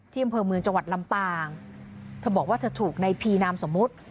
อำเภอเมืองจังหวัดลำปางเธอบอกว่าเธอถูกในพีนามสมมุติ